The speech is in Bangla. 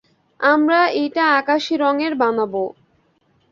আমরা এইটা আকাশী রঙের বানাব।